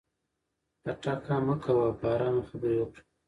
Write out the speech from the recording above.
پټکه مه کوه او په ارامه خبرې وکړه.